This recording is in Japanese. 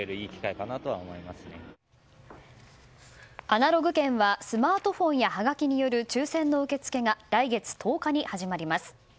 アナログ券はスマートフォンやはがきによる抽選の受け付けが来月１０日に始まります。